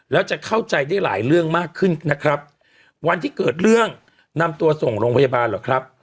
แล้วจะเข้าใจได้หลายเรื่องมากขึ้นนะครับวันที่เกิดเรื่องนำตัวส่งโรงพยาบาลเหรอครับ